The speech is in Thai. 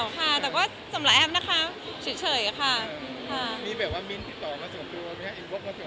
มีเหตุการณ์ว่ามิ้นท์ติดต่อมาส่งเครื่องวิทยุ